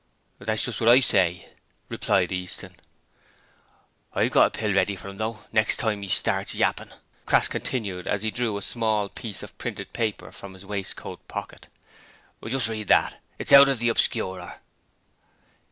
'That's just what I say,' replied Easton. 'I've got a pill ready for 'im, though, next time 'e start yappin',' Crass continued as he drew a small piece of printed paper from his waistcoat pocket. 'Just read that; it's out of the Obscurer.'